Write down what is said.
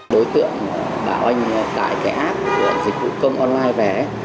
đối tượng bảo anh tải cái app của dịch vụ công online về ấy